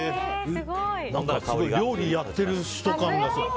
何かすごい料理やってる人感がすごい。